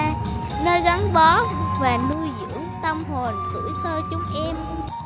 nơi gắn bó và nuôi dưỡng tâm hồn tuổi thơ chúng em